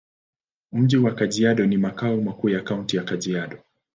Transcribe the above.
Mji wa Kajiado ni makao makuu ya Kaunti ya Kajiado.